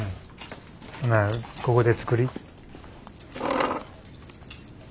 ほなここで作り。